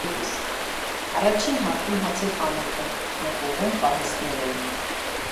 Առաջին հարկում հացի խանութ էր, նկուղում պահեստներ էին։